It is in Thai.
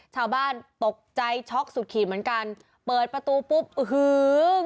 ชาวบ้านตกใจช็อกสุดขีดเหมือนกันเปิดประตูปุ๊บอื้อหือ